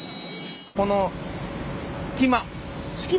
この隙間も？